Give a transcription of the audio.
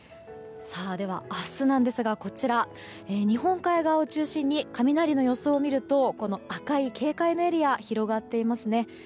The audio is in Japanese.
では明日なんですが日本海側を中心に雷の予想を見ると赤い警戒のエリアが広がっていますね。